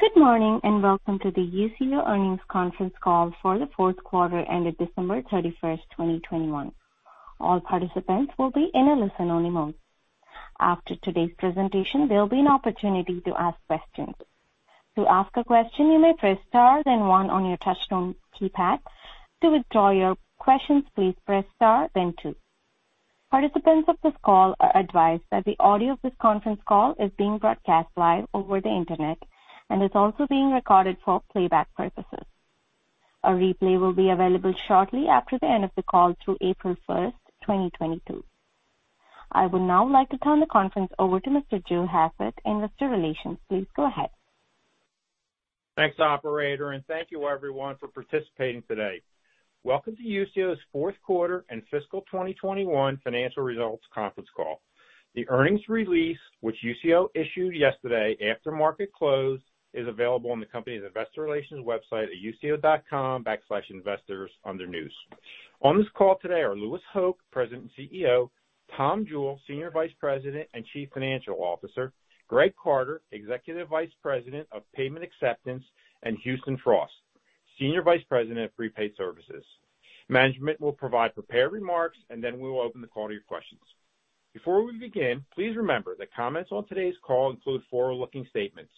Good morning, and welcome to the Usio Earnings Conference Call for the fourth quarter ended December 31, 2021. All participants will be in a listen-only mode. After today's presentation, there'll be an opportunity to ask questions. To ask a question, you may press Star, then one on your touchtone keypad. To withdraw your questions, please press Star, then two. Participants of this call are advised that the audio of this conference call is being broadcast live over the Internet and is also being recorded for playback purposes. A replay will be available shortly after the end of the call through April 1, 2022. I would now like to turn the conference over to Mr. Joe Hassett, Investor Relations. Please go ahead. Thanks, operator, and thank you everyone for participating today. Welcome to Usio's fourth quarter and fiscal 2021 financial results conference call. The earnings release, which Usio issued yesterday after market close, is available on the company's investor relations website at usio.com/investors under News. On this call today are Louis Hoch, President and CEO, Tom Jewell, Senior Vice President and Chief Financial Officer, Greg Carter, Executive Vice President of Payment Acceptance, and Houston Frost, Senior Vice President of Prepaid Services. Management will provide prepared remarks, and then we will open the call to your questions. Before we begin, please remember that comments on today's call include forward-looking statements.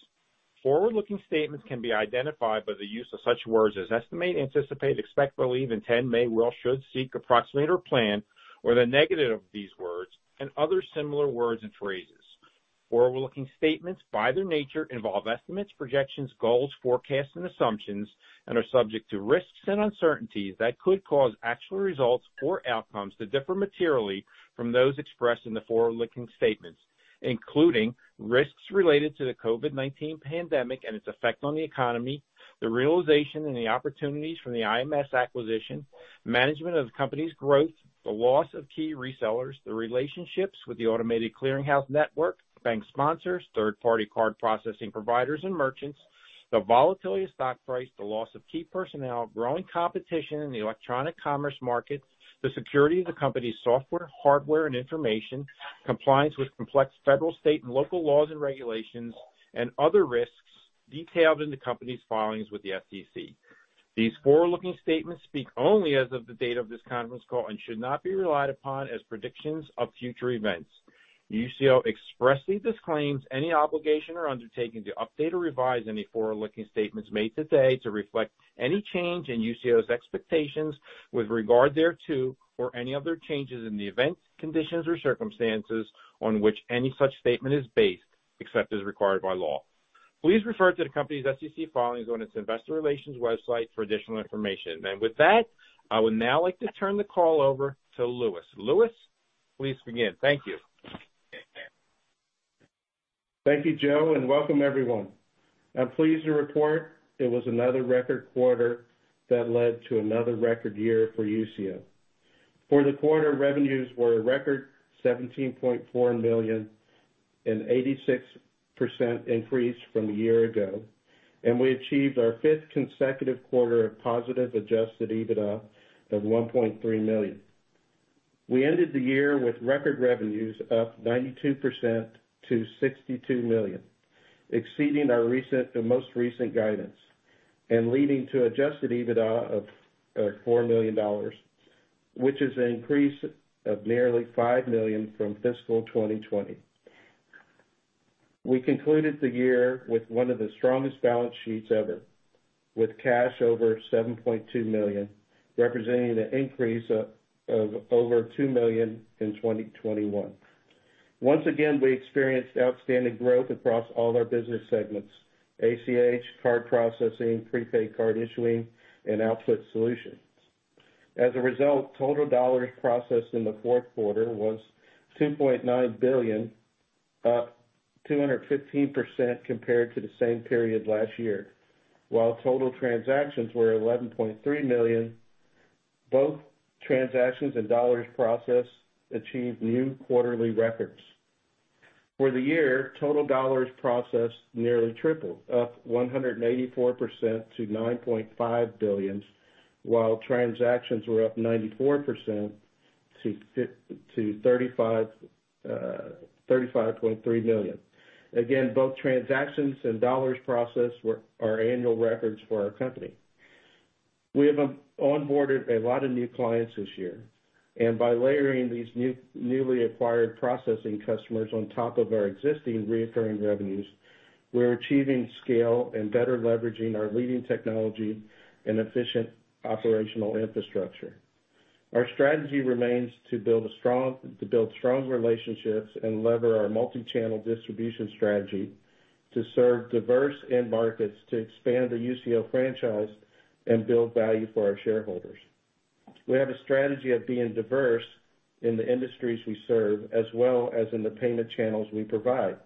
Forward-looking statements can be identified by the use of such words as estimate, anticipate, expect, believe, intend, may, will, should, seek, approximate or plan, or the negative of these words and other similar words and phrases. Forward-looking statements, by their nature, involve estimates, projections, goals, forecasts, and assumptions and are subject to risks and uncertainties that could cause actual results or outcomes to differ materially from those expressed in the forward-looking statements, including risks related to the COVID-19 pandemic and its effect on the economy, the realization and the opportunities from the IMS acquisition, management of the company's growth, the loss of key resellers, the relationships with the automated clearinghouse network, bank sponsors, third-party card processing providers and merchants, the volatility of stock price, the loss of key personnel, growing competition in the electronic commerce market, the security of the company's software, hardware and information, compliance with complex federal, state and local laws and regulations, and other risks detailed in the company's filings with the SEC. These forward-looking statements speak only as of the date of this conference call and should not be relied upon as predictions of future events. Usio expressly disclaims any obligation or undertaking to update or revise any forward-looking statements made today to reflect any change in Usio's expectations with regard thereto or any other changes in the events, conditions or circumstances on which any such statement is based, except as required by law. Please refer to the company's SEC filings on its investor relations website for additional information. With that, I would now like to turn the call over to Louis. Louis, please begin. Thank you. Thank you, Joe, and welcome everyone. I'm pleased to report it was another record quarter that led to another record year for Usio. For the quarter, revenues were a record $17.4 million, an 86% increase from a year ago, and we achieved our fifth consecutive quarter of positive Adjusted EBITDA of $1.3 million. We ended the year with record revenues up 92% to $62 million, exceeding the most recent guidance, and leading to Adjusted EBITDA of $4 million, which is an increase of nearly $5 million from fiscal 2020. We concluded the year with one of the strongest balance sheets ever, with cash over $7.2 million, representing an increase of over $2 million in 2021. Once again, we experienced outstanding growth across all our business segments, ACH, Card Processing, Prepaid Card Issuing and Output Solutions. As a result, total dollars processed in the fourth quarter was $2.9 billion, up 215% compared to the same period last year. While total transactions were 11.3 million, both transactions and dollars processed achieved new quarterly records. For the year, total dollars processed nearly tripled, up 184% to $9.5 billion, while transactions were up 94% to 35.3 million. Again, both transactions and dollars processed were our annual records for our company. We have onboarded a lot of new clients this year, and by layering these new, newly acquired processing customers on top of our existing recurring revenues, we're achieving scale and better leveraging our leading technology and efficient operational infrastructure. Our strategy remains to build strong relationships and leverage our multi-channel distribution strategy to serve diverse end markets to expand the Usio franchise and build value for our shareholders. We have a strategy of being diverse in the industries we serve, as well as in the payment channels we provide.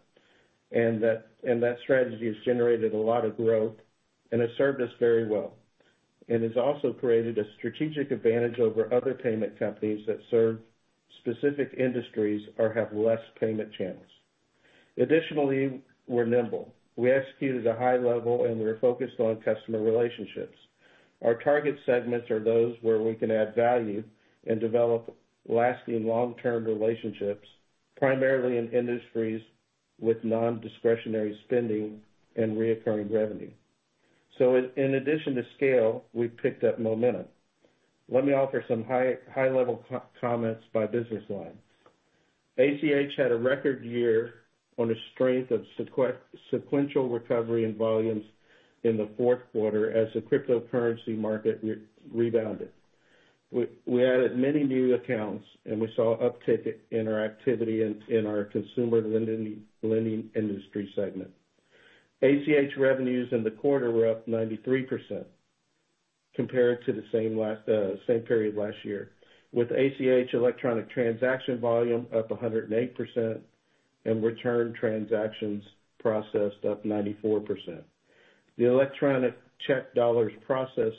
That strategy has generated a lot of growth and has served us very well, and has also created a strategic advantage over other payment companies that serve specific industries or have less payment channels. Additionally, we're nimble. We execute at a high level and we are focused on customer relationships. Our target segments are those where we can add value and develop lasting long-term relationships, primarily in industries with non-discretionary spending and recurring revenue. In addition to scale, we've picked up momentum. Let me offer some high-level comments by business line. ACH had a record year on the strength of sequential recovery and volumes in the fourth quarter as the cryptocurrency market rebounded. We added many new accounts, and we saw uptick in our activity in our consumer lending industry segment. ACH revenues in the quarter were up 93% compared to the same period last year, with ACH electronic transaction volume up 108% and return transactions processed up 94%. The electronic check dollars processed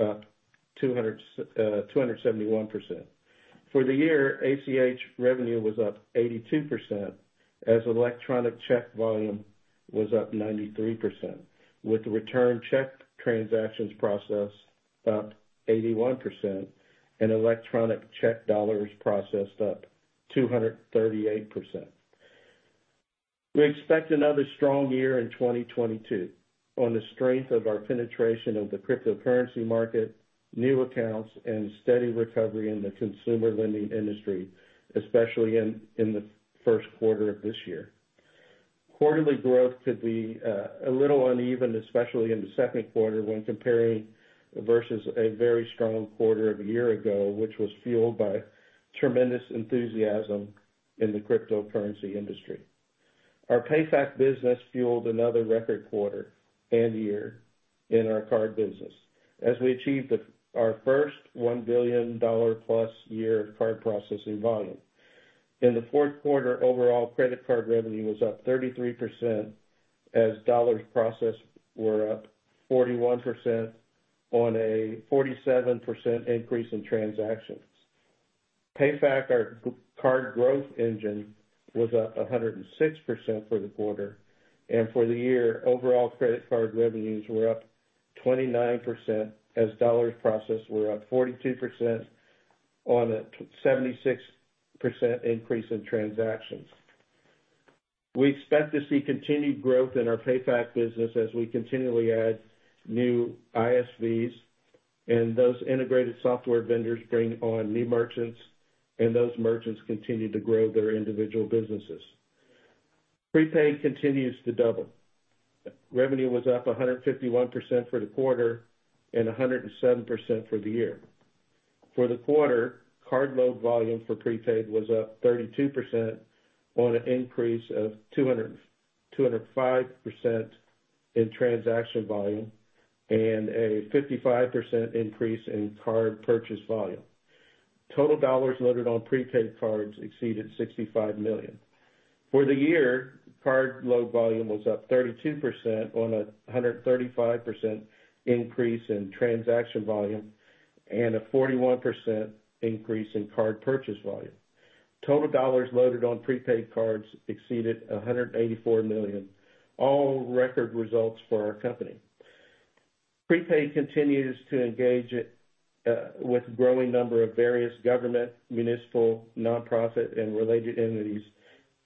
up 271%. For the year, ACH revenue was up 82% as electronic check volume was up 93%, with return check transactions processed up 81% and electronic check dollars processed up 238%. We expect another strong year in 2022 on the strength of our penetration of the cryptocurrency market, new accounts, and steady recovery in the consumer lending industry, especially in the first quarter of this year. Quarterly growth could be a little uneven, especially in the second quarter, when comparing versus a very strong quarter of a year ago, which was fueled by tremendous enthusiasm in the cryptocurrency industry. Our PayFac business fueled another record quarter and year in our card business as we achieved our first $1 billion+ year of Card Processing volume. In the fourth quarter, overall credit card revenue was up 33% as dollars processed were up 41% on a 47% increase in transactions. PayFac, our G-Card Growth Engine, was up 106% for the quarter, and for the year, overall credit card revenues were up 29% as dollars processed were up 42% on a 76% increase in transactions. We expect to see continued growth in our PayFac business as we continually add new ISVs, and those integrated software vendors bring on new merchants, and those merchants continue to grow their individual businesses. Prepaid continues to double. Revenue was up 151% for the quarter and 107% for the year. For the quarter, card load volume for prepaid was up 32% on an increase of 205% in transaction volume and a 55% increase in card purchase volume. Total dollars loaded on prepaid cards exceeded $65 million. For the year, card load volume was up 32% on a 135% increase in transaction volume and a 41% increase in card purchase volume. Total dollars loaded on prepaid cards exceeded $184 million, all record results for our company. Prepaid continues to engage with growing number of various government, municipal, nonprofit, and related entities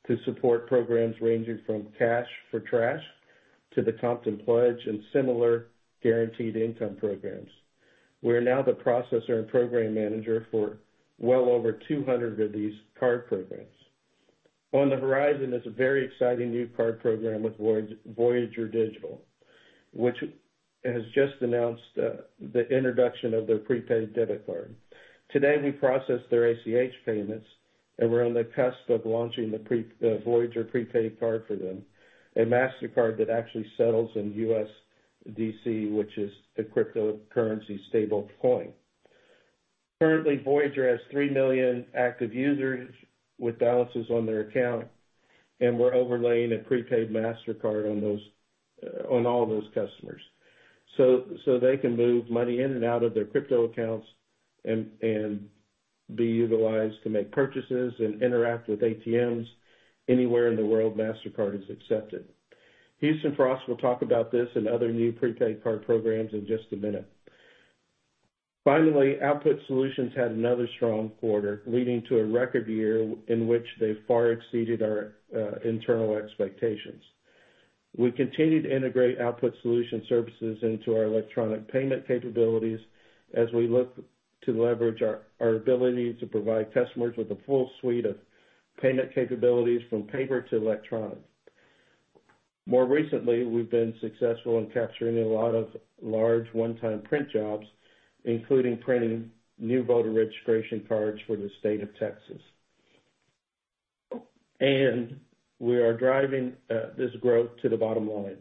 to support programs ranging from Cash for Trash to the Compton Pledge and similar guaranteed income programs. We are now the processor and program manager for well over 200 of these card programs. On the horizon is a very exciting new card program with Voyager Digital, which has just announced the introduction of their prepaid debit card. Today, we process their ACH payments, and we're on the cusp of launching the Voyager prepaid card for them, a Mastercard that actually settles in USDC, which is a cryptocurrency stablecoin. Currently, Voyager has 3 million active users with balances on their account, and we're overlaying a prepaid Mastercard on those, on all those customers. They can move money in and out of their crypto accounts and be utilized to make purchases and interact with ATMs anywhere in the world Mastercard is accepted. Houston Frost will talk about this and other new prepaid card programs in just a minute. Finally, Output Solutions had another strong quarter, leading to a record year in which they far exceeded our internal expectations. We continue to integrate Output Solutions services into our electronic payment capabilities as we look to leverage our ability to provide customers with a full suite of payment capabilities from paper to electronic. More recently, we've been successful in capturing a lot of large one-time print jobs, including printing new voter registration cards for the state of Texas. We are driving this growth to the bottom line.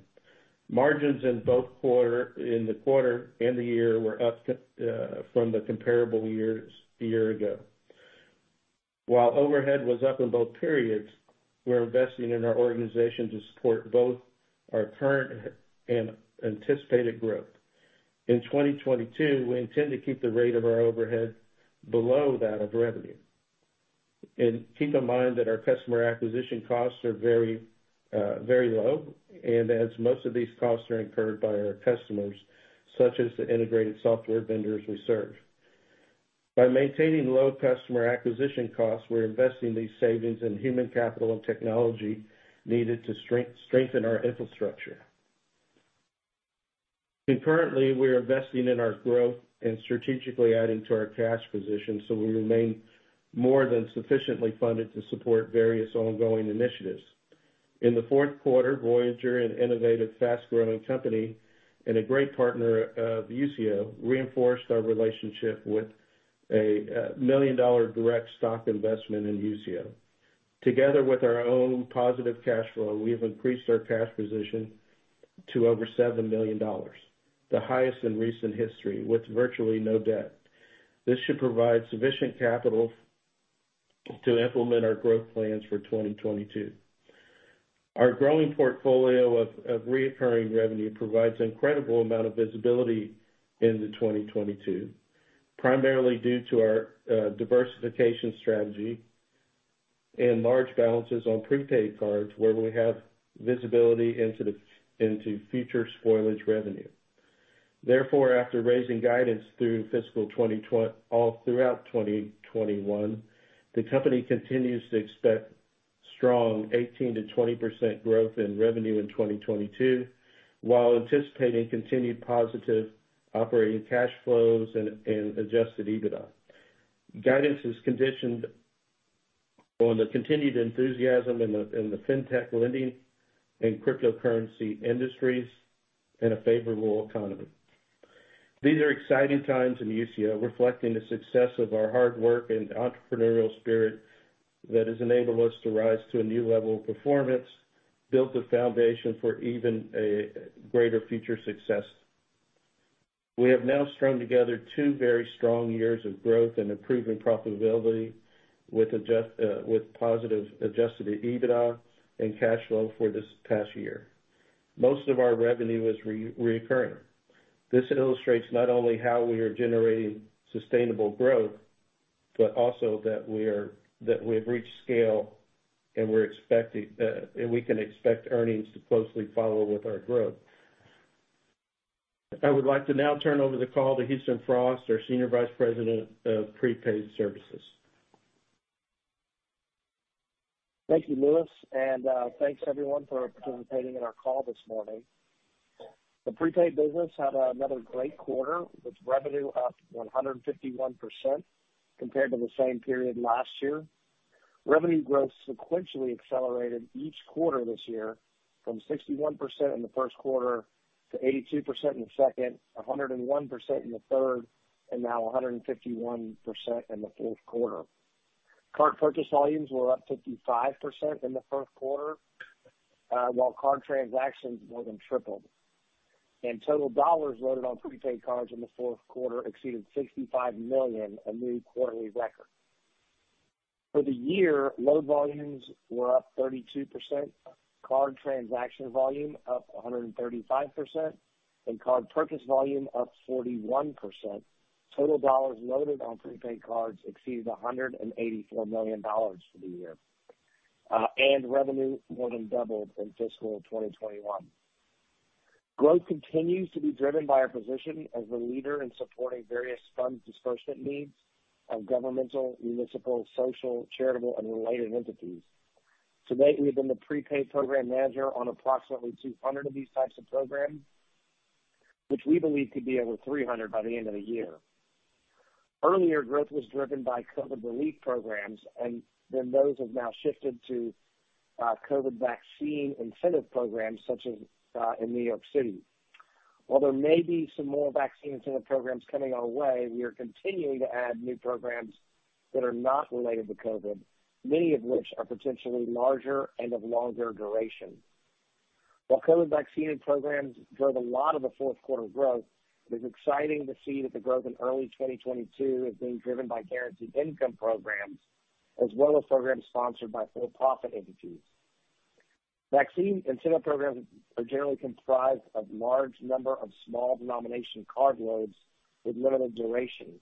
Margins in the quarter and the year were up from the comparable years a year ago. While overhead was up in both periods, we're investing in our organization to support both our current and anticipated growth. In 2022, we intend to keep the rate of our overhead below that of revenue. Keep in mind that our customer acquisition costs are very, very low, and as most of these costs are incurred by our customers, such as the integrated software vendors we serve. By maintaining low customer acquisition costs, we're investing these savings in human capital and technology needed to strengthen our infrastructure. Concurrently, we are investing in our growth and strategically adding to our cash position, so we remain more than sufficiently funded to support various ongoing initiatives. In the fourth quarter, Voyager, an innovative fast-growing company and a great partner of Usio, reinforced our relationship with a $1 million direct stock investment in Usio. Together with our own positive cash flow, we have increased our cash position to over $7 million, the highest in recent history with virtually no debt. This should provide sufficient capital to implement our growth plans for 2022. Our growing portfolio of recurring revenue provides an incredible amount of visibility into 2022, primarily due to our diversification strategy and large balances on prepaid cards where we have visibility into future spoilage revenue. Therefore, after raising guidance through fiscal 2021 all throughout 2021, the company continues to expect strong 18%-20% growth in revenue in 2022, while anticipating continued positive operating cash flows and Adjusted EBITDA. Guidance is conditioned on the continued enthusiasm in the fintech lending and cryptocurrency industries in a favorable economy. These are exciting times in Usio, reflecting the success of our hard work and entrepreneurial spirit that has enabled us to rise to a new level of performance, build the foundation for even greater future success. We have now strung together two very strong years of growth and improving profitability with positive Adjusted EBITDA and cash flow for this past year. Most of our revenue is recurring. This illustrates not only how we are generating sustainable growth, but also that we have reached scale, and we can expect earnings to closely follow with our growth. I would like to now turn over the call to Houston Frost, our Senior Vice President of Prepaid Services. Thank you, Louis, and thanks everyone for participating in our call this morning. The prepaid business had another great quarter, with revenue up 151% compared to the same period last year. Revenue growth sequentially accelerated each quarter this year from 61% in the first quarter to 82% in the second, 101% in the third, and now 151% in the fourth quarter. Card purchase volumes were up 55% in the first quarter, while card transactions more than tripled. Total dollars loaded on prepaid cards in the fourth quarter exceeded $65 million, a new quarterly record. For the year, load volumes were up 32%, card transaction volume up 135%, and card purchase volume up 41%. Total dollars loaded on prepaid cards exceeded $184 million for the year. Revenue more than doubled in fiscal 2021. Growth continues to be driven by our position as the leader in supporting various funds disbursement needs of governmental, municipal, social, charitable, and related entities. To date, we've been the prepaid program manager on approximately 200 of these types of programs, which we believe could be over 300 by the end of the year. Earlier growth was driven by COVID relief programs, and then those have now shifted to COVID vaccine incentive programs such as in New York City. While there may be some more vaccine incentive programs coming our way, we are continuing to add new programs that are not related to COVID, many of which are potentially larger and of longer duration. While COVID vaccine programs drove a lot of the fourth quarter growth, it is exciting to see that the growth in early 2022 is being driven by guaranteed income programs, as well as programs sponsored by for-profit entities. Vaccine incentive programs are generally comprised of large number of small denomination card loads with limited duration.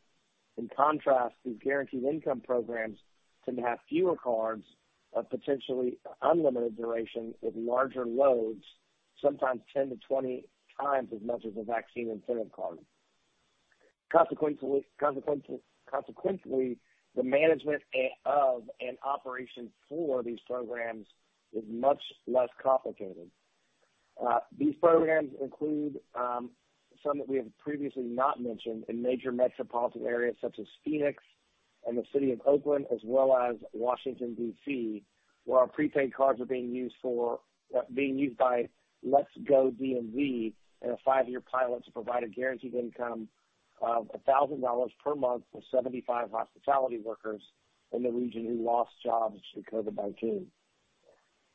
In contrast, these guaranteed income programs tend to have fewer cards of potentially unlimited duration with larger loads, sometimes 10-20 times as much as a vaccine incentive card. Consequently, the management of and operation for these programs is much less complicated. These programs include some that we have previously not mentioned in major metropolitan areas such as Phoenix and the city of Oakland, as well as Washington, D.C., where our prepaid cards are being used by Let's GO DMV in a five year pilot to provide a guaranteed income of $1,000 per month for 75 hospitality workers in the region who lost jobs to COVID-19 by June.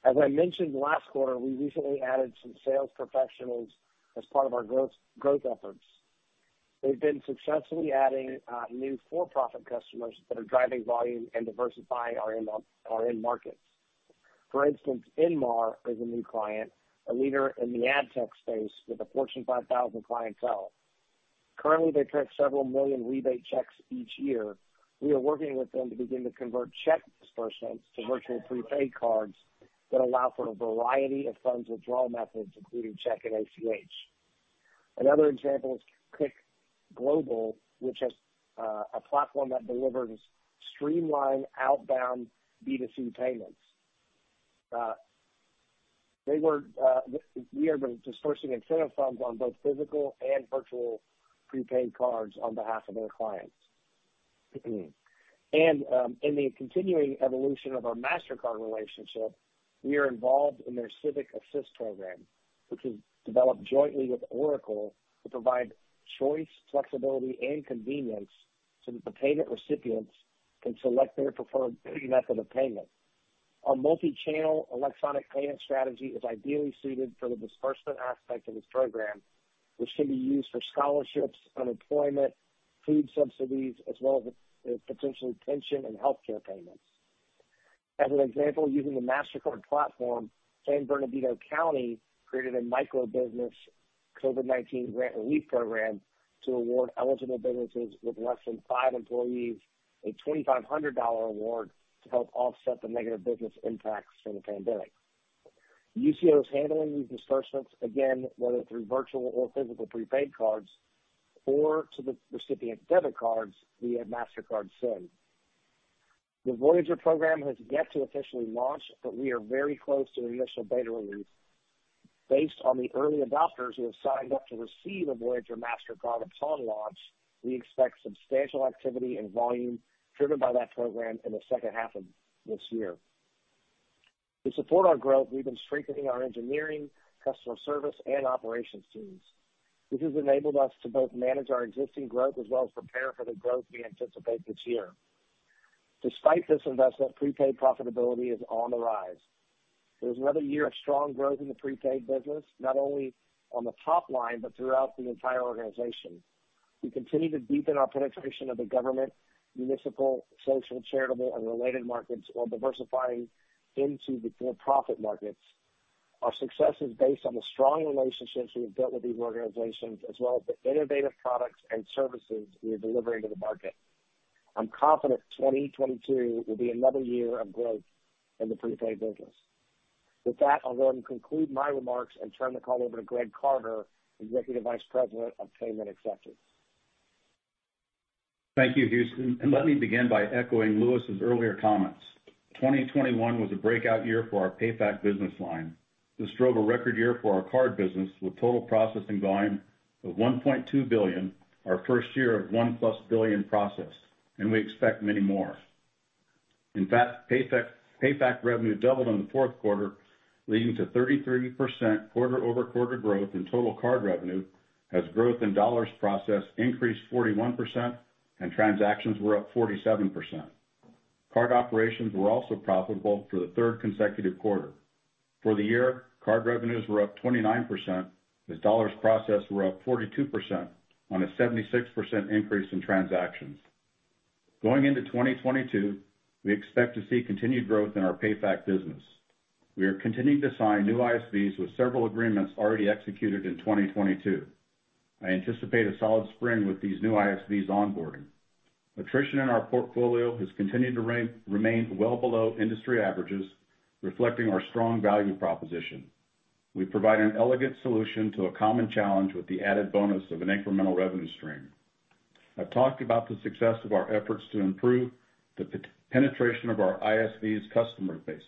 As I mentioned last quarter, we recently added some sales professionals as part of our growth efforts. They've been successfully adding new for-profit customers that are driving volume and diversifying our end markets. For instance, Inmar is a new client, a leader in the ad tech space with a Fortune 500 clientele. Currently, they print several million rebate checks each year. We are working with them to begin to convert check disbursements to virtual prepaid cards that allow for a variety of funds withdrawal methods, including check and ACH. Another example is Click Global, which has a platform that delivers streamlined outbound B2C payments. We have been dispersing incentive funds on both physical and virtual prepaid cards on behalf of their clients. In the continuing evolution of our Mastercard relationship, we are involved in their Civic Assist program, which was developed jointly with Oracle to provide choice, flexibility, and convenience so that the payment recipients can select their preferred method of payment. Our multi-channel electronic payment strategy is ideally suited for the disbursement aspect of this program, which can be used for scholarships, unemployment, food subsidies, as well as potential pension and healthcare payments. As an example, using the Mastercard platform, San Bernardino County created a micro business COVID-19 grant relief program to award eligible businesses with less than five employees a $2,500 award to help offset the negative business impacts from the pandemic. Usio is handling these disbursements again, whether through virtual or physical prepaid cards or to the recipient debit cards via Mastercard Send. The Voyager program has yet to officially launch, but we are very close to an initial beta release. Based on the early adopters who have signed up to receive a Voyager Mastercard upon launch, we expect substantial activity and volume driven by that program in the second half of this year. To support our growth, we've been strengthening our engineering, customer service, and operations teams. This has enabled us to both manage our existing growth as well as prepare for the growth we anticipate this year. Despite this investment, prepaid profitability is on the rise. It was another year of strong growth in the prepaid business, not only on the top line, but throughout the entire organization. We continue to deepen our penetration of the government, municipal, social, charitable, and related markets while diversifying into the for-profit markets. Our success is based on the strong relationships we've built with these organizations as well as the innovative products and services we are delivering to the market. I'm confident 2022 will be another year of growth in the prepaid business. With that, I'll go ahead and conclude my remarks and turn the call over to Greg Carter, Executive Vice President of Payment Acceptance. Thank you, Houston, and let me begin by echoing Louis's earlier comments. 2021 was a breakout year for our PayFac business line. This drove a record year for our card business with total processing volume of $1.2 billion, our first year of $1+ billion processed, and we expect many more. In fact, PayFac revenue doubled in the fourth quarter, leading to 33% quarter-over-quarter growth in total card revenue as growth in dollars processed increased 41% and transactions were up 47%. Card operations were also profitable for the third consecutive quarter. For the year, card revenues were up 29% as dollars processed were up 42% on a 76% increase in transactions. Going into 2022, we expect to see continued growth in our PayFac business. We are continuing to sign new ISVs with several agreements already executed in 2022. I anticipate a solid spring with these new ISVs onboarding. Attrition in our portfolio has continued to remain well below industry averages, reflecting our strong value proposition. We provide an elegant solution to a common challenge with the added bonus of an incremental revenue stream. I've talked about the success of our efforts to improve the penetration of our ISVs' customer base,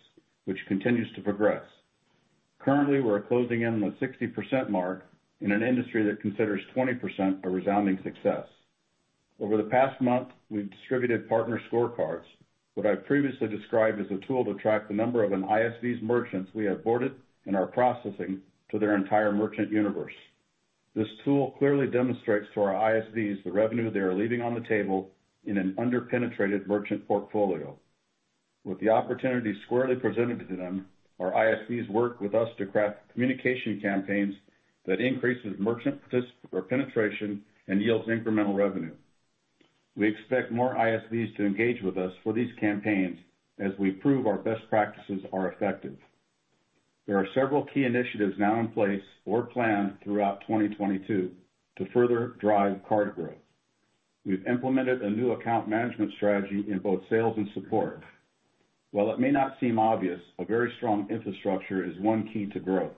which continues to progress. Currently, we're closing in on the 60% mark in an industry that considers 20% a resounding success. Over the past month, we've distributed partner scorecards, what I previously described as a tool to track the number of an ISV's merchants we have boarded and are processing to their entire merchant universe. This tool clearly demonstrates to our ISVs the revenue they are leaving on the table in an under-penetrated merchant portfolio. With the opportunity squarely presented to them, our ISVs work with us to craft communication campaigns that increase merchant penetration and yield incremental revenue. We expect more ISVs to engage with us for these campaigns as we prove our best practices are effective. There are several key initiatives now in place or planned throughout 2022 to further drive card growth. We've implemented a new account management strategy in both sales and support. While it may not seem obvious, a very strong infrastructure is one key to growth,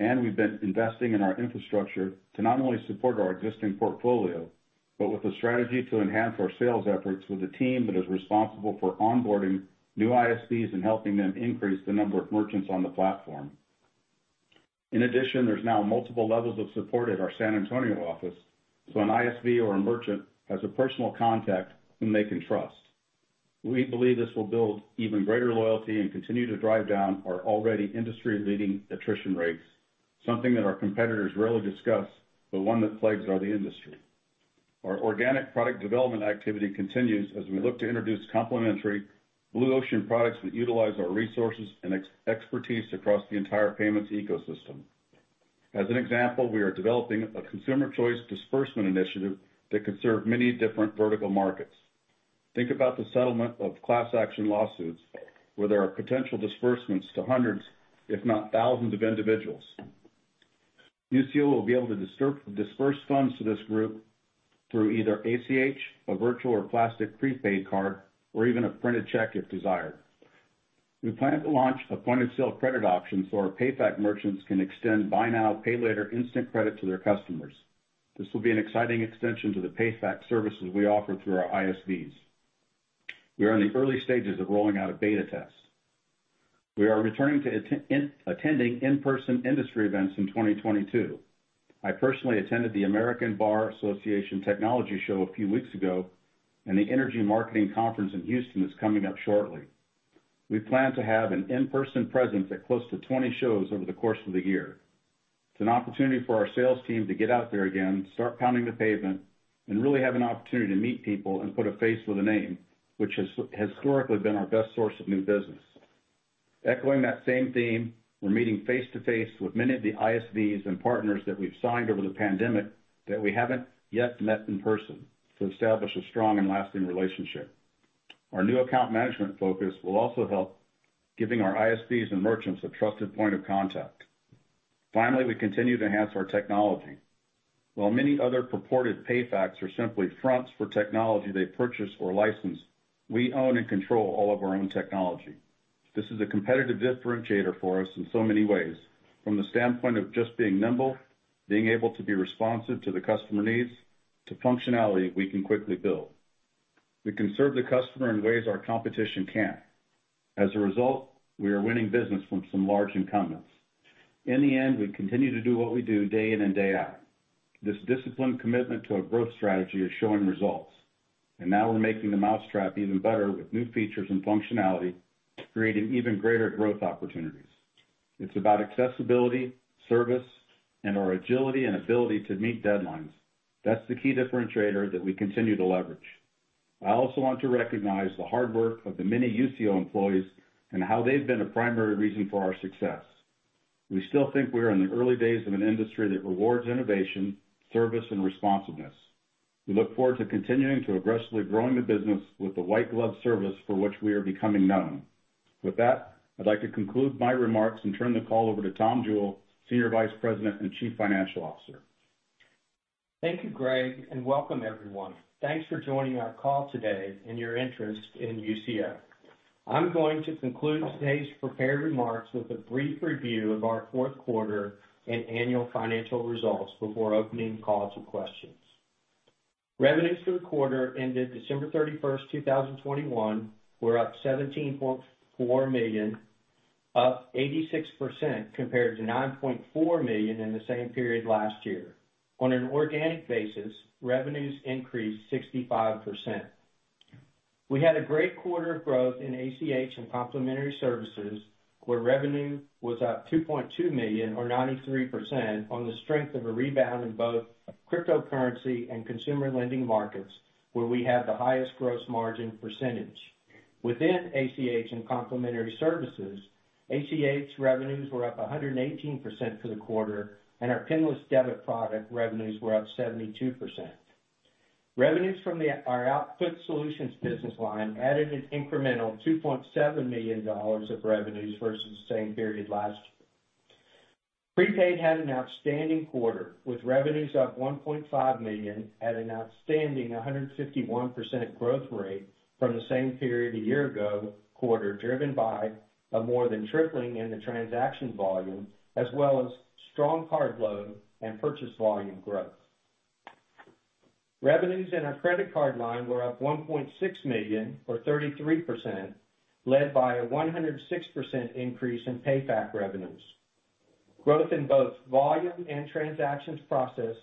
and we've been investing in our infrastructure to not only support our existing portfolio, but with a strategy to enhance our sales efforts with a team that is responsible for onboarding new ISVs and helping them increase the number of merchants on the platform. In addition, there's now multiple levels of support at our San Antonio office, so an ISV or a merchant has a personal contact whom they can trust. We believe this will build even greater loyalty and continue to drive down our already industry-leading attrition rates, something that our competitors rarely discuss, but one that plagues all the industry. Our organic product development activity continues as we look to introduce complementary blue ocean products that utilize our resources and expertise across the entire payments ecosystem. As an example, we are developing a consumer choice disbursement initiative that can serve many different vertical markets. Think about the settlement of class action lawsuits where there are potential disbursements to hundreds, if not thousands of individuals. Usio will be able to disperse funds to this group through either ACH, a virtual or plastic prepaid card, or even a printed check if desired. We plan to launch a point-of-sale credit option so our PayFac merchants can extend buy now, pay later instant credit to their customers. This will be an exciting extension to the PayFac services we offer through our ISVs. We are in the early stages of rolling out a beta test. We are returning to attending in-person industry events in 2022. I personally attended the American Bar Association Technology Show a few weeks ago, and the Energy Marketing Conference in Houston is coming up shortly. We plan to have an in-person presence at close to 20 shows over the course of the year. It's an opportunity for our sales team to get out there again, start pounding the pavement, and really have an opportunity to meet people and put a face with a name, which has historically been our best source of new business. Echoing that same theme, we're meeting face-to-face with many of the ISVs and partners that we've signed over the pandemic that we haven't yet met in person to establish a strong and lasting relationship. Our new account management focus will also help, giving our ISVs and merchants a trusted point of contact. Finally, we continue to enhance our technology. While many other purported PayFacs are simply fronts for technology they purchase or license, we own and control all of our own technology. This is a competitive differentiator for us in so many ways, from the standpoint of just being nimble, being able to be responsive to the customer needs, to functionality we can quickly build. We can serve the customer in ways our competition can't. As a result, we are winning business from some large incumbents. In the end, we continue to do what we do day in and day out. This disciplined commitment to a growth strategy is showing results, and now we're making the mousetrap even better with new features and functionality, creating even greater growth opportunities. It's about accessibility, service, and our agility and ability to meet deadlines. That's the key differentiator that we continue to leverage. I also want to recognize the hard work of the many Usio employees and how they've been a primary reason for our success. We still think we are in the early days of an industry that rewards innovation, service, and responsiveness. We look forward to continuing to aggressively growing the business with the white glove service for which we are becoming known. With that, I'd like to conclude my remarks and turn the call over to Tom Jewell, Senior Vice President and Chief Financial Officer. Thank you, Greg, and welcome everyone. Thanks for joining our call today and your interest in Usio. I'm going to conclude today's prepared remarks with a brief review of our fourth quarter and annual financial results before opening the call to questions. Revenues for the quarter ended December 31, 2021 were up $17.4 million, up 86% compared to $9.4 million in the same period last year. On an organic basis, revenues increased 65%. We had a great quarter of growth in ACH and complementary services, where revenue was up $2.2 million or 93% on the strength of a rebound in both cryptocurrency and consumer lending markets, where we have the highest gross margin percentage. Within ACH and complementary services, ACH revenues were up 118% for the quarter, and our PINless debit product revenues were up 72%. Revenues from our Output Solutions business line added an incremental $2.7 million of revenues versus the same period last year. Prepaid had an outstanding quarter, with revenues up $1.5 million at an outstanding 151% growth rate from the same period a year ago quarter, driven by a more than tripling in the transaction volume as well as strong card load and purchase volume growth. Revenues in our credit card line were up $1.6 million or 33%, led by a 106% increase in PayFac revenues. Growth in both volume and transactions processed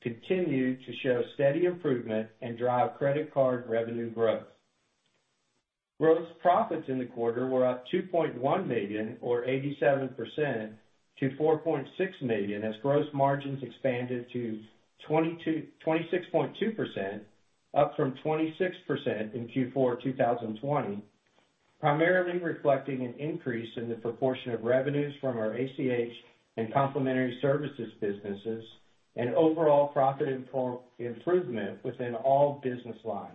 continued to show steady improvement and drive credit card revenue growth. Gross profits in the quarter were up $2.1 million or 87% to $4.6 million as gross margins expanded to 26.2%, up from 26% in Q4 2020, primarily reflecting an increase in the proportion of revenues from our ACH and complementary services businesses and overall profit improvement within all business lines.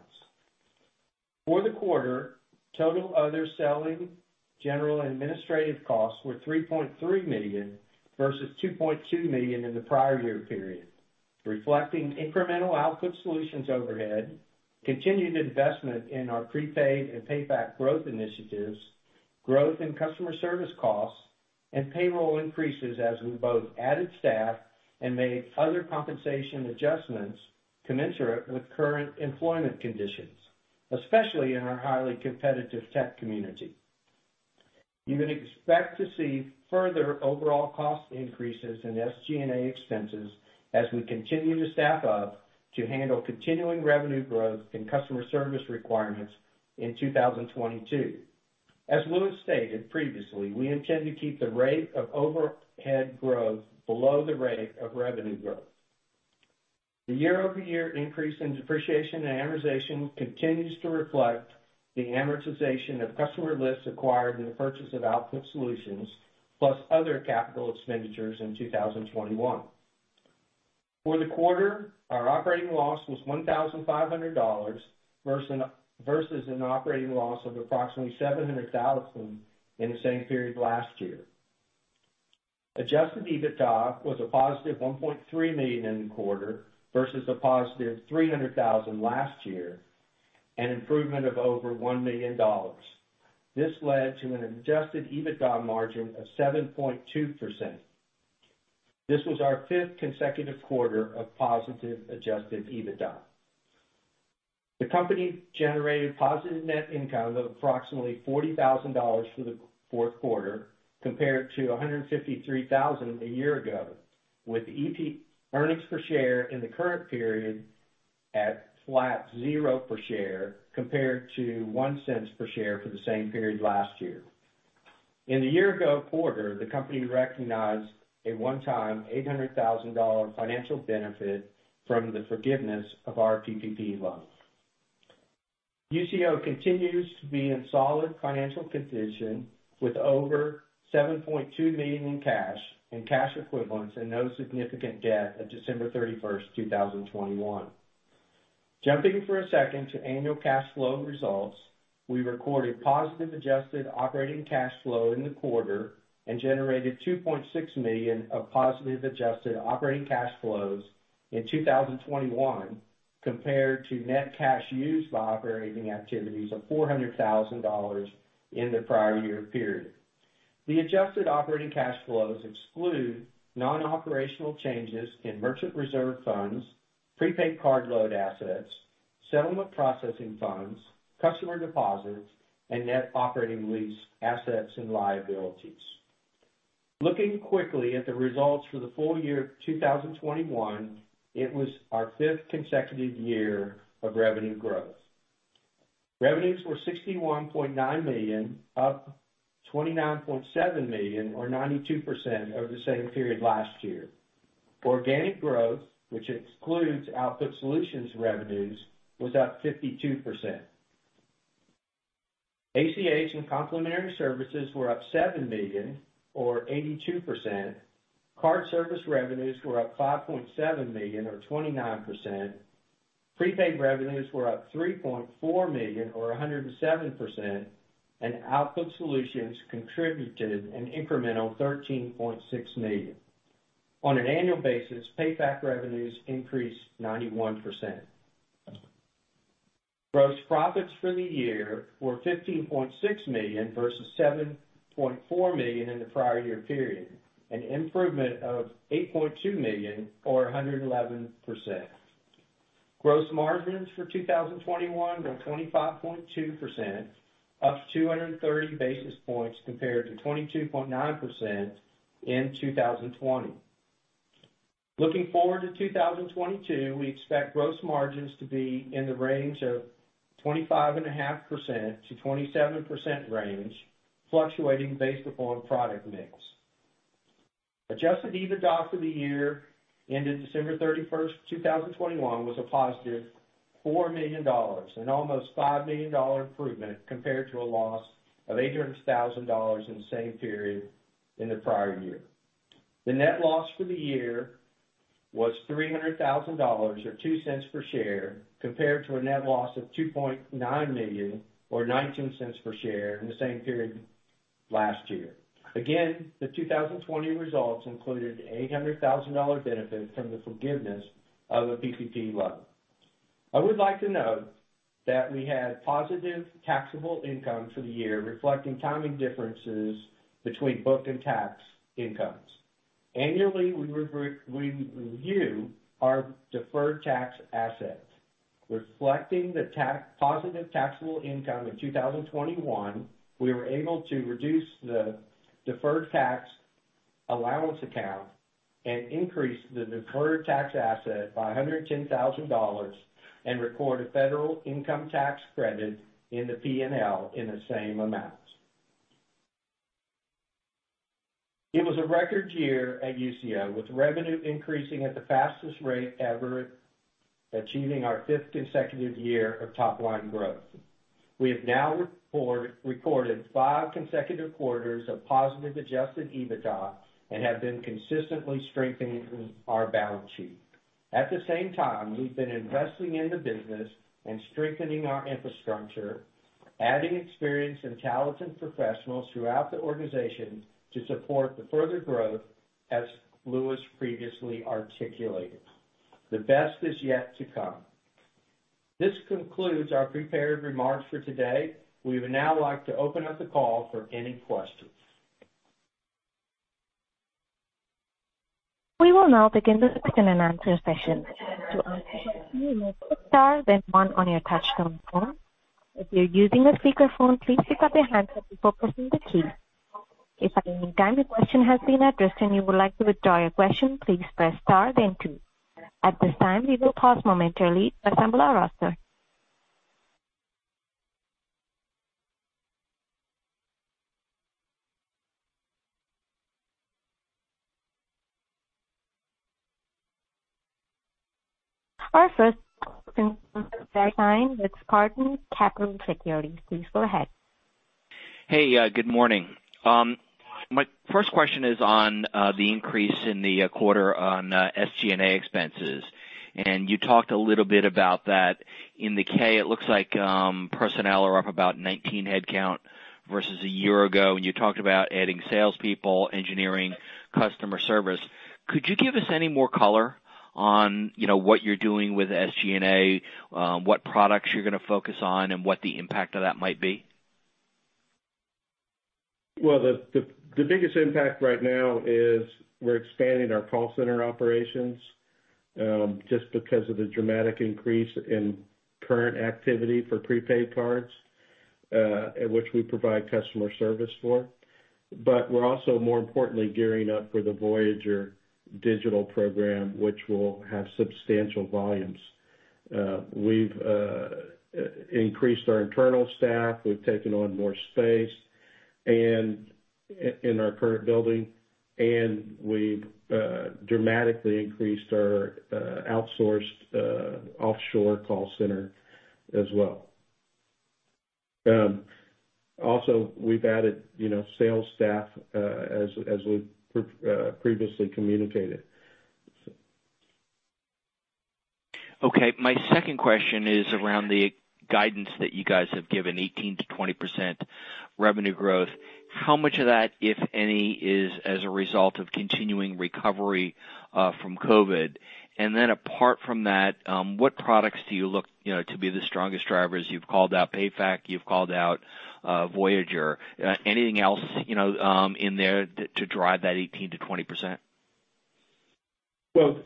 For the quarter, total other selling, general, and administrative costs were $3.3 million versus $2.2 million in the prior year period, reflecting incremental Output Solutions overhead, continued investment in our prepaid and PayFac growth initiatives, growth in customer service costs, and payroll increases as we both added staff and made other compensation adjustments commensurate with current employment conditions, especially in our highly competitive tech community. You can expect to see further overall cost increases in SG&A expenses as we continue to staff up to handle continuing revenue growth and customer service requirements in 2022. As Louis stated previously, we intend to keep the rate of overhead growth below the rate of revenue growth. The year-over-year increase in depreciation and amortization continues to reflect the amortization of customer lists acquired in the purchase of Output Solutions, plus other capital expenditures in 2021. For the quarter, our operating loss was $1,500 versus an operating loss of approximately $700,000 in the same period last year. Adjusted EBITDA was a +$1.3 million in the quarter versus a +$300,000 last year, an improvement of over $1 million. This led to an Adjusted EBITDA margin of 7.2%. This was our fifth consecutive quarter of positive Adjusted EBITDA. The company generated positive net income of approximately $40,000 for the fourth quarter compared to $153,000 a year ago, with earnings per share in the current period at flat zero per share compared to $0.01 per share for the same period last year. In the year ago quarter, the company recognized a one-time $800,000 financial benefit from the forgiveness of our PPP loan. Usio continues to be in solid financial condition with over $7.2 million in cash and cash equivalents and no significant debt at December 31, 2021. Jumping for a second to annual cash flow results. We recorded positive adjusted operating cash flow in the quarter and generated $2.6 million of positive adjusted operating cash flows in 2021 compared to net cash used by operating activities of $400,000 in the prior year period. The adjusted operating cash flows exclude non-operational changes in merchant reserve funds, prepaid card load assets, settlement processing funds, customer deposits, and net operating lease assets and liabilities. Looking quickly at the results for the full year of 2021, it was our fifth consecutive year of revenue growth. Revenues were $61.9 million, up $29.7 million or 92% over the same period last year. Organic growth, which excludes Output Solutions revenues, was up 52%. ACH and complementary services were up $7 million or 82%. Card service revenues were up $5.7 million or 29%. Prepaid revenues were up $3.4 million or 107%, and Output Solutions contributed an incremental $13.6 million. On an annual basis, PayFac revenues increased 91%. Gross profits for the year were $15.6 million versus $7.4 million in the prior year period, an improvement of $8.2 million or 111%. Gross margins for 2021 were 25.2%, up 230 basis points compared to 22.9% in 2020. Looking forward to 2022, we expect gross margins to be in the range of 25.5%-27% range, fluctuating based upon product mix. Adjusted EBITDA for the year ended December 31, 2021, was a positive $4 million, an almost $5 million improvement compared to a loss of $800,000 in the same period in the prior year. The net loss for the year was $300,000 or $0.02 per share, compared to a net loss of $2.9 million or $0.19 per share in the same period last year. The 2020 results included $800,000 benefit from the forgiveness of a PPP loan. I would like to note that we had positive taxable income for the year, reflecting timing differences between book and tax incomes. Annually, we review our deferred tax assets. Reflecting positive taxable income in 2021, we were able to reduce the deferred tax allowance account and increase the deferred tax asset by $110,000 and record a federal income tax credit in the P&L in the same amount. It was a record year at Usio, with revenue increasing at the fastest rate ever, achieving our fifth consecutive year of top line growth. We have now recorded five consecutive quarters of positive Adjusted EBITDA and have been consistently strengthening our balance sheet. At the same time, we've been investing in the business and strengthening our infrastructure, adding experience and talented professionals throughout the organization to support the further growth, as Louis previously articulated. The best is yet to come. This concludes our prepared remarks for today. We would now like to open up the call for any questions. We will now begin the question and answer session. To ask a question, you may press star then one on your touchtone phone. If you're using a speakerphone, please pick up your handset before pressing the key. If at any time your question has been addressed and you would like to withdraw your question, please press star then two. At this time, we will pause momentarily to assemble our roster. Our first is Spartan Capital Securities. Please go ahead. Hey, good morning. My first question is on the increase in the quarter on SG&A expenses, and you talked a little bit about that. In the K, it looks like personnel are up about 19 headcount versus a year ago, and you talked about adding salespeople, engineering, customer service. Could you give us any more color on, you know, what you're doing with SG&A, what products you're gonna focus on, and what the impact of that might be? Well, the biggest impact right now is we're expanding our call center operations, just because of the dramatic increase in current activity for prepaid cards, which we provide customer service for. We're also, more importantly, gearing up for the Voyager Digital program, which will have substantial volumes. We've increased our internal staff. We've taken on more space and in our current building, and we've dramatically increased our outsourced offshore call center as well. Also, we've added, you know, sales staff, as we previously communicated. Okay. My second question is around the guidance that you guys have given, 18%-20% revenue growth. How much of that, if any, is as a result of continuing recovery from COVID? Apart from that, what products do you look, you know, to be the strongest drivers? You've called out PayFac, you've called out Voyager. Anything else, you know, in there to drive that 18%-20%? Well,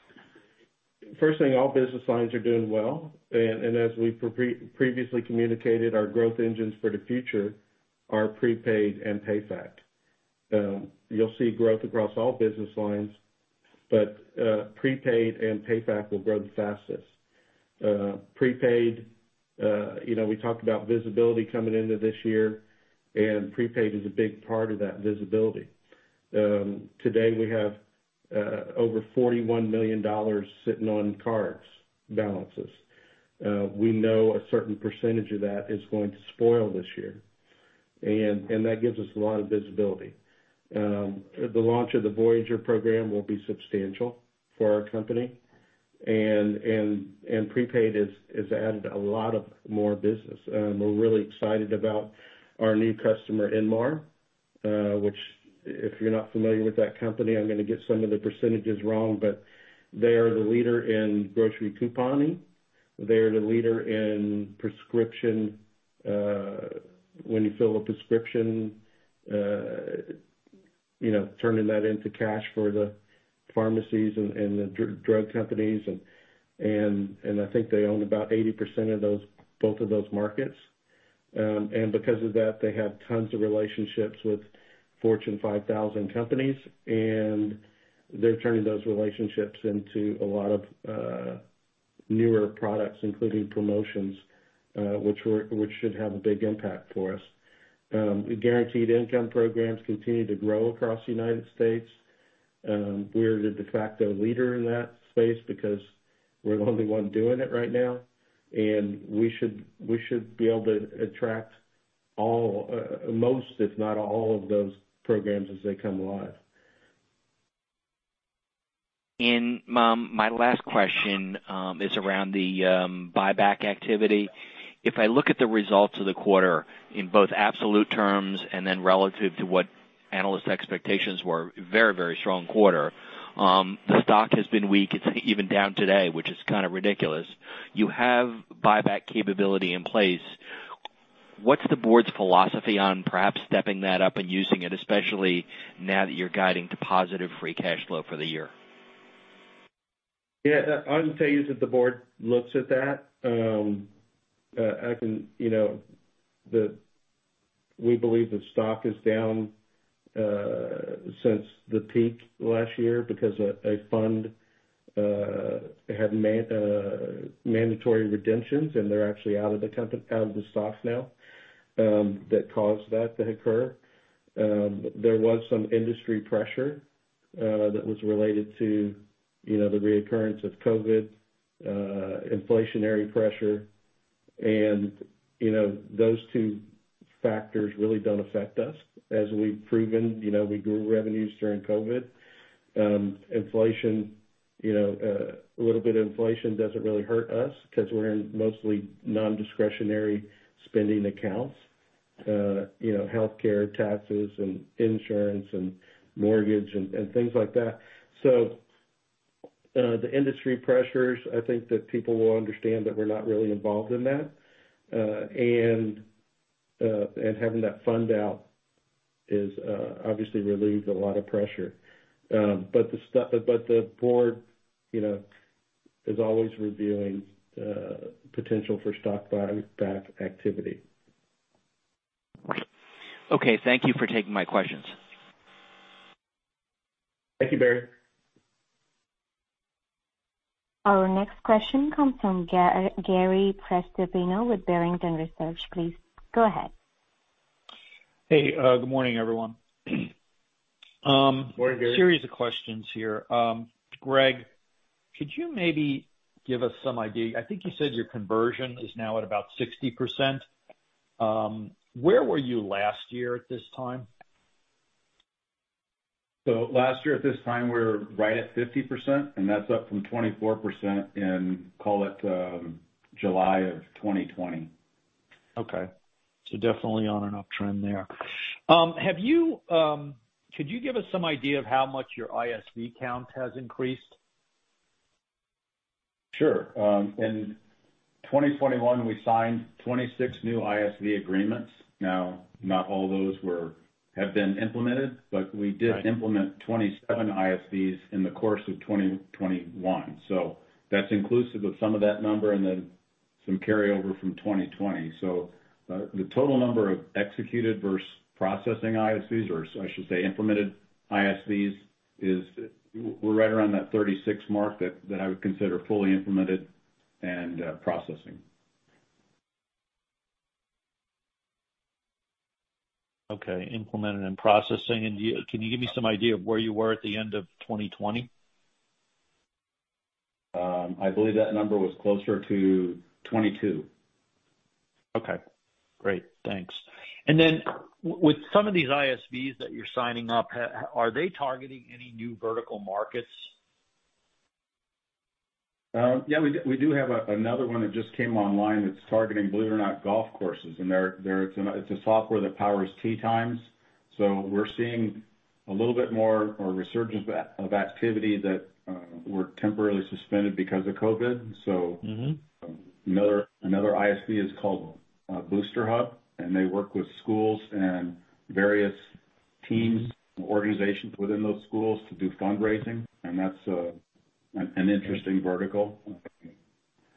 first thing, all business lines are doing well. As we previously communicated, our growth engines for the future are Prepaid and PayFac. You'll see growth across all business lines, but Prepaid and PayFac will grow the fastest. Prepaid, you know, we talked about visibility coming into this year, and Prepaid is a big part of that visibility. Today, we have over $41 million sitting on card balances. We know a certain percentage of that is going to spoil this year, and that gives us a lot of visibility. The launch of the Voyager program will be substantial for our company. Prepaid has added a lot more business. We're really excited about our new customer, Inmar, which if you're not familiar with that company, I'm gonna get some of the percentages wrong, but they are the leader in grocery couponing. They are the leader in prescription, when you fill a prescription, you know, turning that into cash for the pharmacies and the drug companies. And I think they own about 80% of those, both of those markets. And because of that, they have tons of relationships with Fortune 5000 companies, and they're turning those relationships into a lot of newer products, including promotions, which should have a big impact for us. Guaranteed income programs continue to grow across the United States. We're the de facto leader in that space because we're the only one doing it right now. We should be able to attract all, most, if not all, of those programs as they come alive. My last question is around the buyback activity. If I look at the results of the quarter in both absolute terms and then relative to what analysts' expectations were, very, very strong quarter. The stock has been weak. It's even down today, which is kind of ridiculous. You have buyback capability in place. What's the board's philosophy on perhaps stepping that up and using it, especially now that you're guiding to positive free cash flow for the year? Yeah. I can tell you that the board looks at that. You know, we believe the stock is down since the peak last year because a fund had mandatory redemptions, and they're actually out of the stocks now, that caused that to occur. There was some industry pressure that was related to, you know, the reoccurrence of COVID, inflationary pressure. You know, those two factors really don't affect us as we've proven. You know, we grew revenues during COVID. Inflation, you know, a little bit of inflation doesn't really hurt us 'cause we're in mostly non-discretionary spending accounts. You know, healthcare, taxes and insurance and mortgage and things like that. The industry pressures, I think that people will understand that we're not really involved in that. Having that fund out is obviously relieves a lot of pressure. The board, you know, is always reviewing potential for stock buyback activity. Okay. Thank you for taking my questions. Thank you, Barry. Our next question comes from Gary Prestopino with Barrington Research. Please go ahead. Hey, good morning, everyone. Morning, Gary. Series of questions here. Greg, could you maybe give us some idea? I think you said your conversion is now at about 60%. Where were you last year at this time? Last year at this time, we were right at 50%, and that's up from 24% in, call it, July of 2020. Okay. Definitely on an uptrend there. Could you give us some idea of how much your ISV count has increased? Sure. In 2021, we signed 26 new ISV agreements. Now, not all those have been implemented, but we did implement 27 ISVs in the course of 2021. That's inclusive of some of that number and then some carryover from 2020. The total number of executed versus processing ISVs, or I should say implemented ISVs, is we're right around that 36 mark that I would consider fully implemented and processing. Okay, implemented and processing. Can you give me some idea of where you were at the end of 2020? I believe that number was closer to 22. Okay, great. Thanks. With some of these ISVs that you're signing up, how are they targeting any new vertical markets? Yeah, we do have another one that just came online that's targeting, believe it or not, golf courses. It's a software that powers tee times. We're seeing a little bit more of a resurgence of activity that were temporarily suspended because of COVID. Mm-hmm. Another ISV is called BoosterHub, and they work with schools and various teams and organizations within those schools to do fundraising. That's an interesting vertical.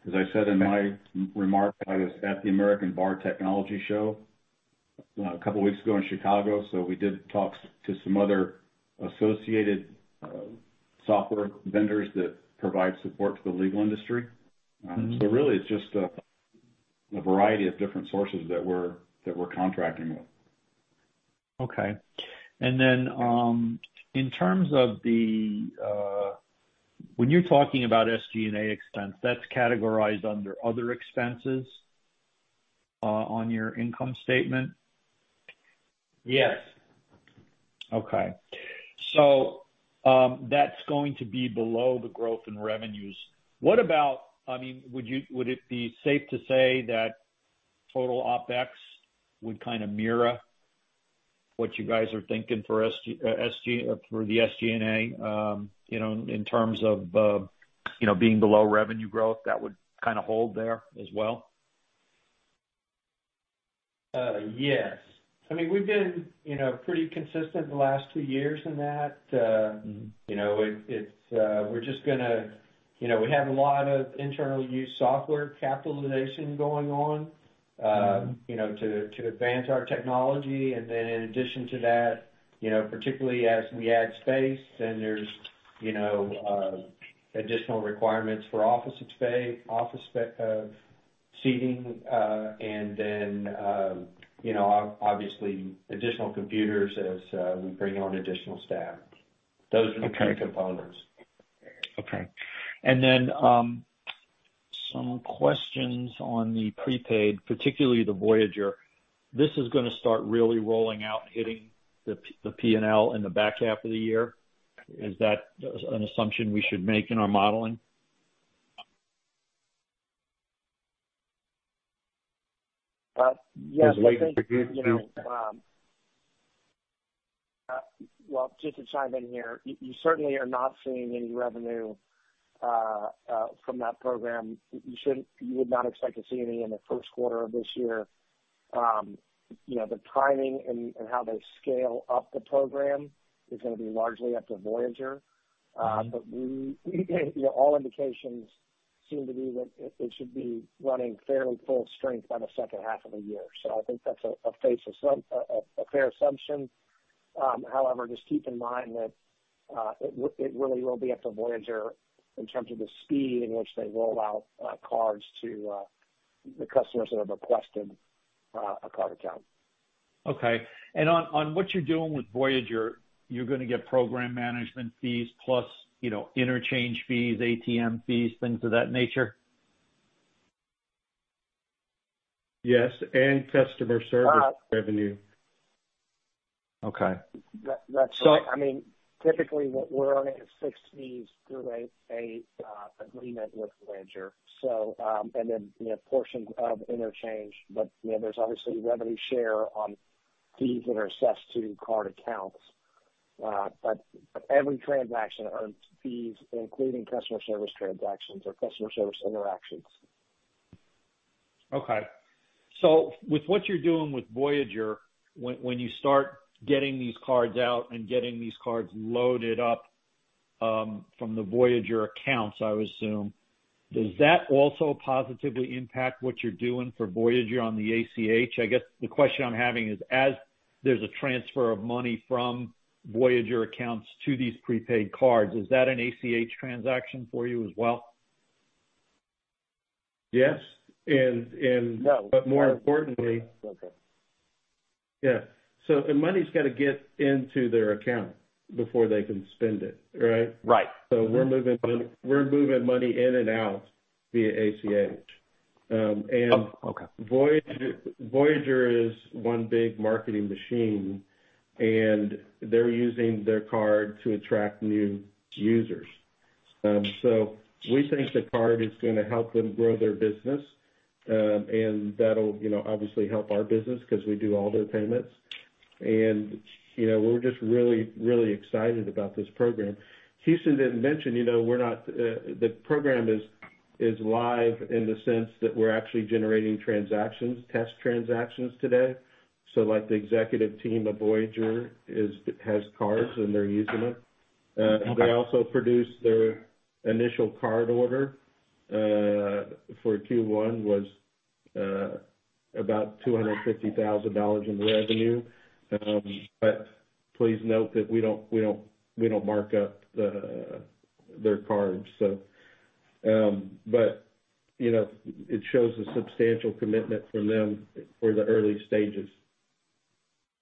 As I said in my remarks, I was at the American Bar Technology Show a couple weeks ago in Chicago, so we did talk to some other associated software vendors that provide support to the legal industry. Mm-hmm. Really, it's just a variety of different sources that we're contracting with. Okay. In terms of the when you're talking about SG&A expense, that's categorized under other expenses on your income statement? Yes. That's going to be below the growth in revenues. What about, I mean, would it be safe to say that total OpEx would kinda mirror what you guys are thinking for SG&A, you know, in terms of, you know, being below revenue growth, that would kinda hold there as well? Yes. I mean, we've been, you know, pretty consistent the last two years in that. Mm-hmm. You know, we're just gonna, you know, we have a lot of internal use software capitalization going on. Mm-hmm. You know, to advance our technology. In addition to that, you know, particularly as we add space, then there's, you know, additional requirements for office seating, and then, you know, obviously additional computers as we bring on additional staff. Those are the key components. Okay. Some questions on the prepaid, particularly the Voyager. This is gonna start really rolling out and hitting the P&L in the back half of the year. Is that an assumption we should make in our modeling? Yes, I think, you know. Well, just to chime in here, you certainly are not seeing any revenue from that program. You would not expect to see any in the first quarter of this year. You know, the timing and how they scale up the program is gonna be largely up to Voyager. Mm-hmm. We you know all indications seem to be that it should be running fairly full strength by the second half of the year. I think that's a fair assumption. However, just keep in mind that it really will be up to Voyager in terms of the speed in which they roll out cards to the customers that have requested a card account. Okay. On what you're doing with Voyager, you're gonna get program management fees plus, you know, interchange fees, ATM fees, things of that nature? Yes, customer service revenue. Okay. That's right. So- I mean, typically what we're earning is fixed fees through an agreement with Voyager. You know, portions of interchange, but, you know, there's obviously revenue share on fees that are assessed to card accounts. Every transaction earns fees, including customer service transactions or customer service interactions. With what you're doing with Voyager, when you start getting these cards out and getting these cards loaded up from the Voyager accounts, I would assume, Does that also positively impact what you're doing for Voyager on the ACH? I guess the question I'm having is, as there's a transfer of money from Voyager accounts to these prepaid cards, is that an ACH transaction for you as well? Yes. More importantly- Okay. Yeah. The money's gotta get into their account before they can spend it, right? Right. We're moving money in and out via ACH. Okay. Voyager is one big marketing machine, and they're using their card to attract new users. We think the card is gonna help them grow their business, and that'll, you know, obviously help our business 'cause we do all their payments. You know, we're just really excited about this program. Houston didn't mention, you know, we're not. The program is live in the sense that we're actually generating transactions, test transactions today. Like, the executive team of Voyager has cards and they're using them. They also produced their initial card order for Q1 was about $250,000 in revenue. But please note that we don't mark up their cards. You know, it shows a substantial commitment from them for the early stages.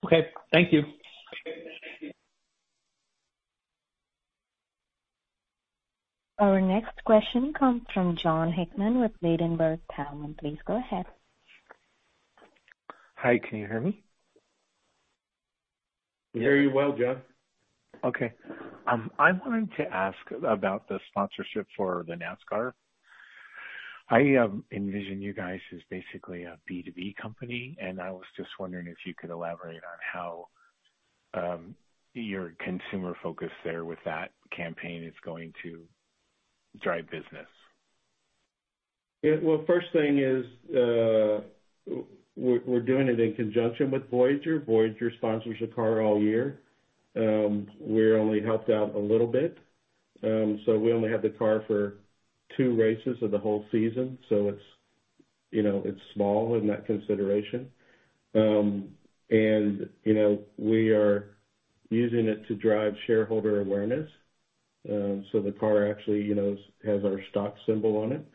Okay. Thank you. Okay. Thank you. Our next question comes from Jon Hickman with Ladenburg Thalmann. Please go ahead. Hi, can you hear me? We hear you well, Jon. Okay. I wanted to ask about the sponsorship for the NASCAR. I envision you guys as basically a B2B company, and I was just wondering if you could elaborate on how your consumer focus there with that campaign is going to drive business. Yeah. Well, first thing is, we're doing it in conjunction with Voyager. Voyager sponsors the car all year. We're only helping out a little bit. We only have the car for two races of the whole season. It's, you know, small in that consideration. We are using it to drive shareholder awareness. The car actually, you know, has our stock symbol on it.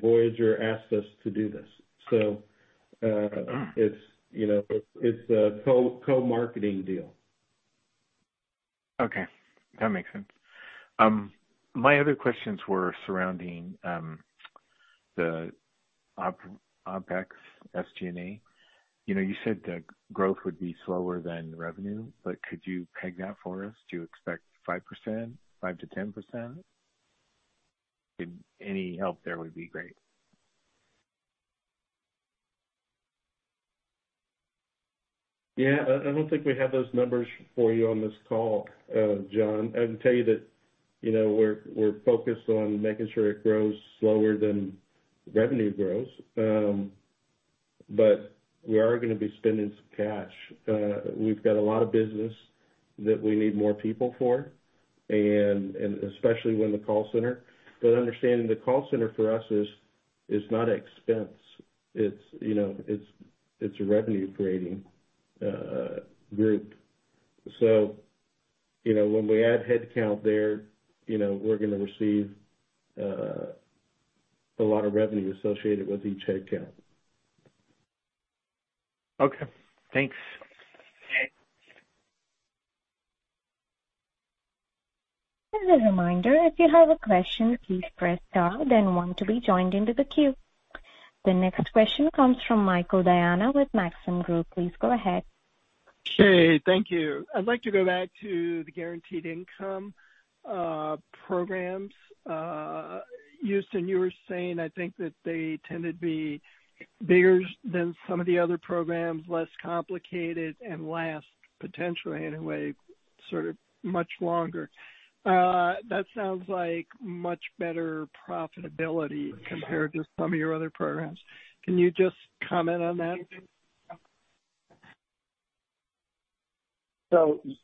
Voyager asked us to do this. Ah. It's, you know, it's a co-marketing deal. Okay. That makes sense. My other questions were surrounding the OpEx, SG&A. You know, you said the growth would be slower than revenue, but could you peg that for us? Do you expect 5%? 5%-10%? Any help there would be great. Yeah. I don't think we have those numbers for you on this call, John. I can tell you that, you know, we're focused on making sure it grows slower than revenue grows. We are gonna be spending some cash. We've got a lot of business that we need more people for, and especially when the call center. Understand the call center for us is not an expense. It's, you know, a revenue-creating group. You know, when we add headcount there, you know, we're gonna receive a lot of revenue associated with each headcount. Okay. Thanks. Okay. As a reminder, if you have a question, please press star, then one to be joined into the queue. The next question comes from Michael Diana with Maxim Group. Please go ahead. Hey. Thank you. I'd like to go back to the guaranteed income programs. Houston, you were saying, I think, that they tend to be bigger than some of the other programs, less complicated and last potentially in a way, sort of much longer. That sounds like much better profitability compared to some of your other programs. Can you just comment on that?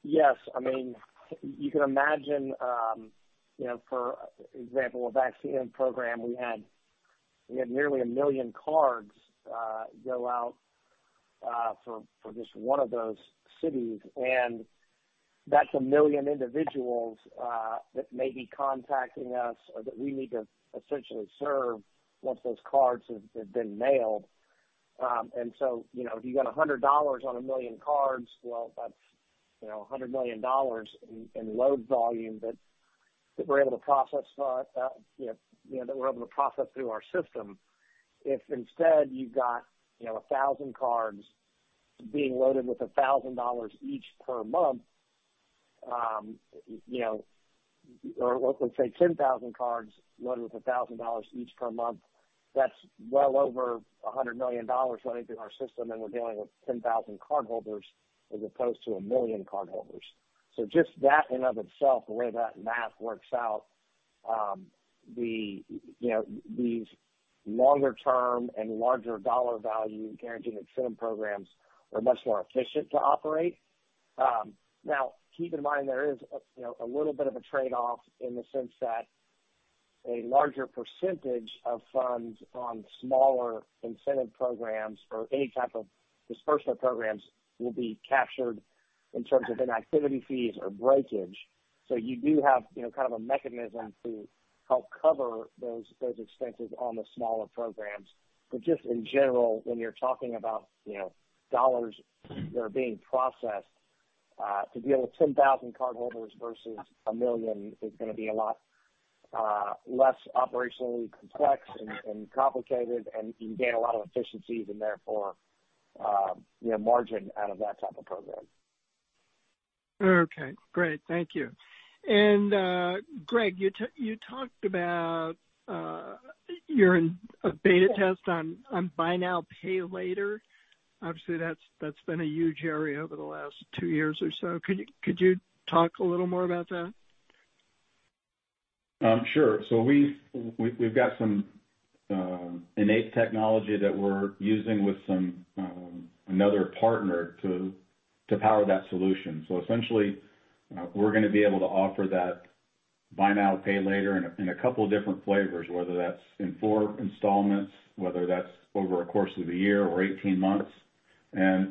Yes. I mean, you can imagine, you know, for example, a vaccine program we had. We had nearly 1 million cards go out for just one of those cities. That's 1 million individuals that may be contacting us or that we need to essentially serve once those cards have been mailed. You know, if you got $100 on 1 million cards, well, that's, you know, $100 million in load volume that we're able to process, you know, that we're able to process through our system. If instead you've got, you know, 1,000 cards being loaded with $1,000 each per month, you know, or let's say 10,000 cards loaded with $1,000 each per month, that's well over $100 million running through our system, and we're dealing with 10,000 cardholders as opposed to 1 million cardholders. Just that in and of itself, the way that math works out, you know, these longer term and larger dollar value guaranteed incentive programs are much more efficient to operate. Now keep in mind, there is a, you know, a little bit of a trade-off in the sense that a larger percentage of funds on smaller incentive programs or any type of dispersal programs will be captured in terms of inactivity fees or breakage. You do have, you know, kind of a mechanism to help cover those expenses on the smaller programs. Just in general, when you're talking about, you know, dollars that are being processed to deal with 10,000 cardholders versus 1 million is gonna be a lot less operationally complex and complicated, and you can gain a lot of efficiencies and therefore, you know, margin out of that type of program. Okay, great. Thank you. Greg, you talked about you're in a beta test on buy now, pay later. Obviously, that's been a huge area over the last two years or so. Could you talk a little more about that? Sure. We've got some innate technology that we're using with some another partner to power that solution. Essentially, we're gonna be able to offer that buy now, pay later in a couple of different flavors, whether that's in four installments, whether that's over a course of a year or 18 months.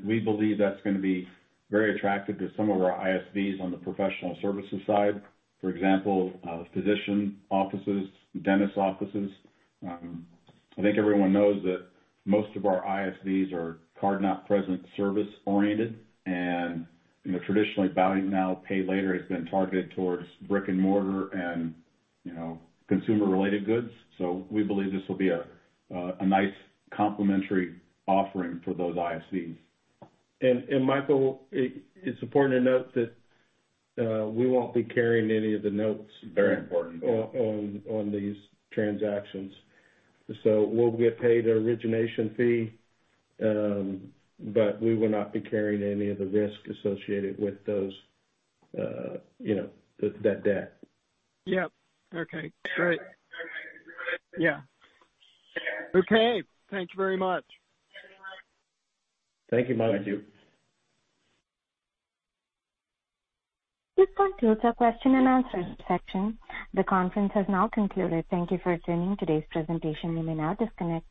We believe that's gonna be very attractive to some of our ISVs on the professional services side, for example, physician offices, dentist offices. I think everyone knows that most of our ISVs are card not present service-oriented. You know, traditionally, buy now, pay later has been targeted towards brick-and-mortar and, you know, consumer-related goods. We believe this will be a nice complementary offering for those ISVs. Michael, it's important to note that we won't be carrying any of the notes Very important. On these transactions. We'll get paid an origination fee, but we will not be carrying any of the risk associated with those, you know, that debt. Yep. Okay. Great. Yeah. Okay. Thank you very much. Thank you, Michael. Thank you. This concludes our question and answer section. The conference has now concluded. Thank you for attending today's presentation. You may now disconnect.